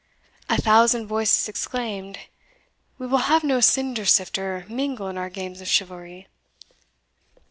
A thousand voices exclaimed, "We will have no cinder sifter mingle in our games of chivalry."